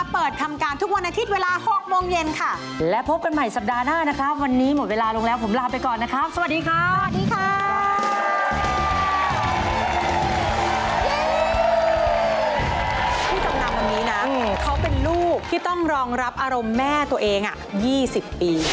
ผู้จำนำวันนี้นะเขาเป็นลูกที่ต้องรองรับอารมณ์แม่ตัวเอง๒๐ปี